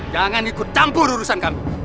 jangan ikut tampu durusan kami